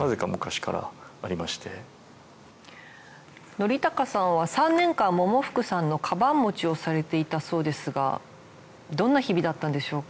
徳隆さんは３年間百福さんの鞄持ちをされていたそうですがどんな日々だったんでしょうか？